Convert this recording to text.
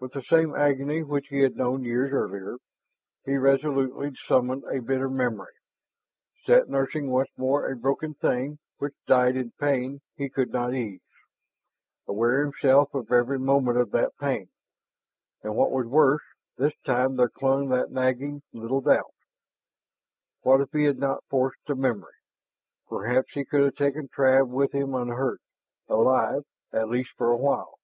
With the same agony which he had known years earlier, he resolutely summoned a bitter memory, sat nursing once more a broken thing which died in pain he could not ease, aware himself of every moment of that pain. And what was worse, this time there clung that nagging little doubt. What if he had not forced the memory? Perhaps he could have taken Trav with him unhurt, alive, at least for a while.